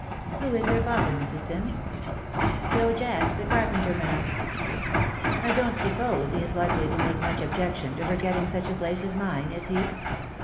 " Who is her father, Mrs. Sims ?*—" Joe Jacks the car penter, ma'am/' <€ I don't suppose he is likely to make much objection to her getting such a place as mine, is he